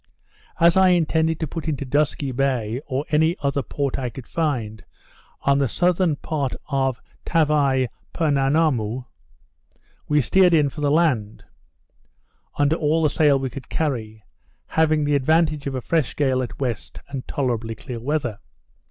As I intended to put into Dusky Bay, or any other port I could find, on the southern part of Tavai Poenammoo, we steered in for the land, under all the sail we could carry, having the advantage of a fresh gale at W., and tolerably clear weather.